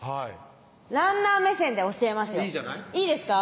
ランナー目線で教えますよいいじゃないいいですか？